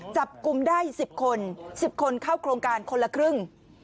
จับกลุ่มได้๑๐คน๑๐คนเข้าโครงการคนละครึ่ง